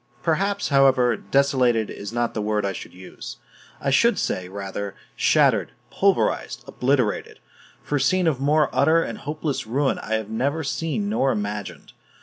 Perhaps, however, "desolated" is not the word I should use; I should say, rather, "shattered, pulverized, obliterated," for a scene of more utter and hopeless ruin I have never seen nor imagined.